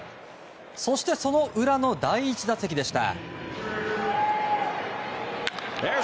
そしてその裏の第１打席でした。